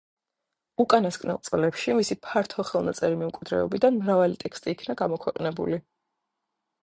უკანასკნელ წლებში მისი ფართო ხელნაწერი მემკვიდრეობიდან მრავალი ტექსტი იქნა გამოქვეყნებული.